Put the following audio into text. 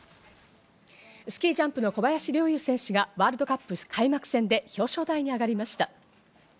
スキージャンプの小林陸侑選手がワールドカップ開幕戦で表彰台に上がりました。